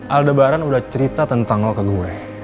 aldebaran udah cerita tentang lo ke gue